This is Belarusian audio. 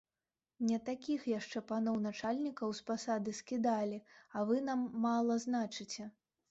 Не такіх яшчэ паноў начальнікаў з пасады скідалі, а вы нам мала значыце!